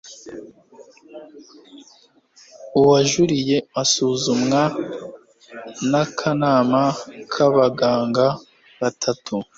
uwajuliye asuzumwa n akanama k abaganga batatu